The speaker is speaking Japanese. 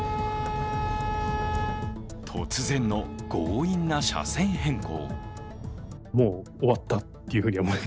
突然の強引な車線変更。